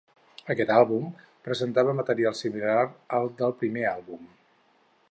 Aquest àlbum presentava material similar al del primer àlbum.